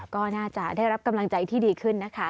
ก็น่าจะได้รับกำลังใจที่ดีขึ้นนะคะ